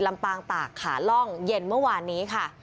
ลำปางตากขาล่องเย็นเมื่อวานนี้ค่ะ